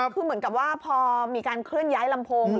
คือเหมือนกับว่าพอมีการเคลื่อนย้ายลำโพง